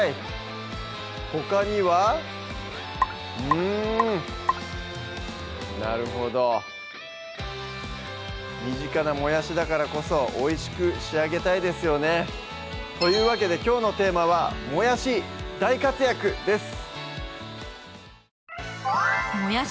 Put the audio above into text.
うんなるほど身近なもやしだからこそおいしく仕上げたいですよねというわけできょうのテーマは「もやし大活躍」です